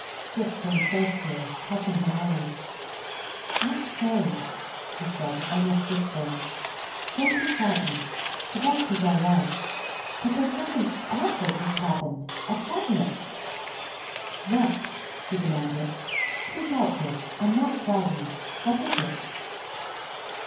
Dick came close to her, touching her arm. "I say!" he said, almost whispering. "Don't be frightened the doctor's all right but there's something awful just happened. At Folliot's." "What" she demanded. "Speak out, Dick! I'm not frightened. What is it?"